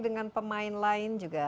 dengan pemain lain juga